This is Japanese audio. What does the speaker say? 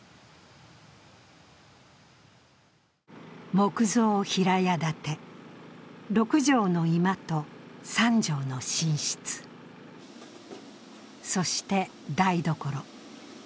木造平屋建て６畳の居間と３畳の寝室、そして台所。